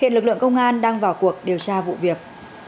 hiện lực lượng công an đang vào cuộc điều tra vụ việc